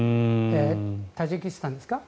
タジキスタンですか？